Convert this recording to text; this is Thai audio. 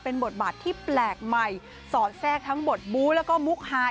เป็นบทบาทที่แปลกใหม่สอนแทรกทั้งบทบุธและมุพภา